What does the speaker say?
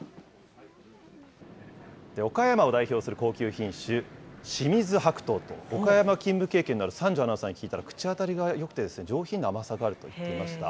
岡山を代表する高級品種、清水白桃と、岡山勤務経験のある三條アナウンサーに聞いたら口当たりがよくて上品な甘さがあると言っていました。